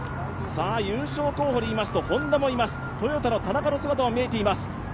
優勝候補でいいますとＨｏｎｄａもいます、トヨタの田中の姿も見えています。